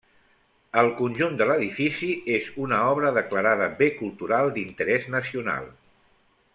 El conjunt de l'edifici és una obra declarada bé cultural d'interès nacional.